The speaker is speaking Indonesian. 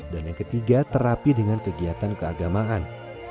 dan yang ketiga terapi dengan kegiatan keagamaan